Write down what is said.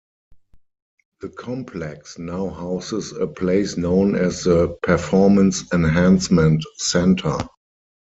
The complex now houses a place known as the Performance Enhancement Center.